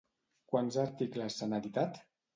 Quants articles s'han editat?